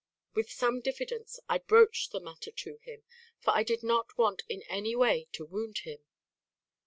With some diffidence I broached the matter to him, for I did not want in any way to wound him.